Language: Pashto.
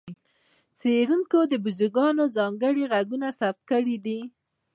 څېړونکو د بیزوګانو ځانګړی غږ ثبت کړی دی.